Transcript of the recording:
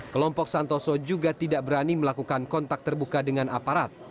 kelompok santoso juga tidak berani melakukan kontak terbuka dengan aparat